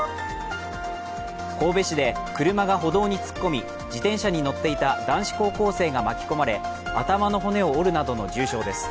神戸市で車が歩道に突っ込み、自転車に乗っていた男子高校生が巻き込まれ頭の骨を折るなどの重傷です。